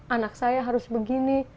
anak saya harus begini